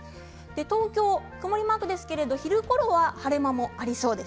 東京は曇りマークですが昼ごろは晴れ間もありそうです。